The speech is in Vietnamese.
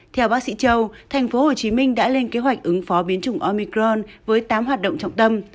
theo bác sĩ châu tp hcm đã lên kế hoạch ứng phó biến chủng omicron với tám hoạt động trọng tâm